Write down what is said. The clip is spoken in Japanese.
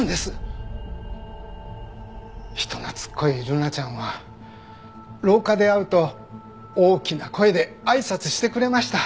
人懐っこいルナちゃんは廊下で会うと大きな声であいさつしてくれました。